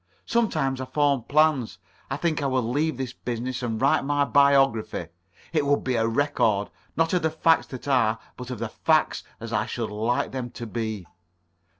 Sometimes I form plans. I think I will leave this business and write my biography. It would be a record, not of the facts that are, but of the facts as I should like them to be."